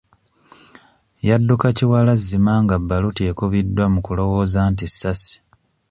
Yadduka kiwalazzima nga bbaluti ekubiddwa mu kulowooza nti ssasi.